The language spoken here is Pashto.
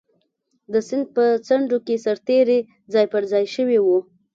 د سیند په څنډو کې سرتېري ځای پر ځای شوي وو.